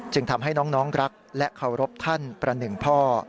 ทำให้น้องรักและเคารพท่านประหนึ่งพ่อ